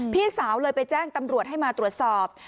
พี่สาวเลยไปแจ้งตำรวจให้มาตรวจสอบ